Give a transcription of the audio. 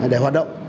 để hoạt động